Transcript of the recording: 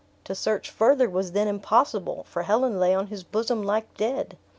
To search further was then impossible, for Helen lay on his bosom like dead.